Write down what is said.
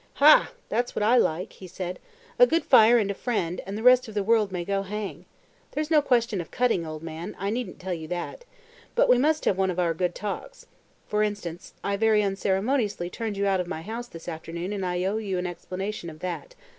"Ha! That's what I like," he said, "a good fire and a friend, and the rest of the world may go hang. There's no question of cutting, old man; I needn't tell you that but we must have one of our good talks. For instance, I very unceremoniously turned you out of my house this afternoon and I owe you an explanation of that.